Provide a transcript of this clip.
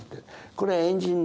これエンジン